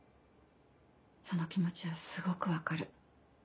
その気持ちはすごく分かる。